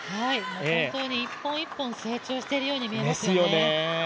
本当に１本１本、成長しているように見えますね。